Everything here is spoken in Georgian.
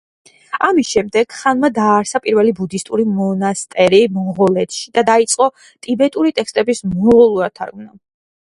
ამის შემდეგ ხანმა დააარსა პირველი ბუდისტური მონასტერი მონღოლეთში და დაიწყო ტიბეტური ტექსტების მონღოლურად თარგმნა.